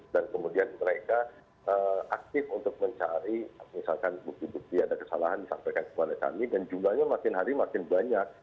dan kemudian mereka aktif untuk mencari misalkan bukti bukti ada kesalahan disampaikan kepada kami dan jumlahnya makin hari makin banyak